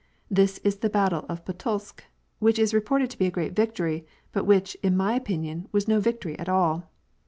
This is the battle of Pultusk, which Is reported to be a great victory, but which, in my opinion, was no victory at all.